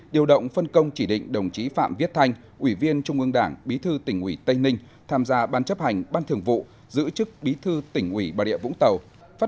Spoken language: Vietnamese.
điều động phân công chỉ định đồng chí phạm viết thanh ủy viên trung ương đảng bí thư tỉnh ủy tây ninh tham gia ban chấp hành ban thường vụ giữ chức bí thư tỉnh ủy bà địa vũng tàu